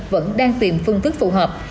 vẫn đang tìm phương thức phù hợp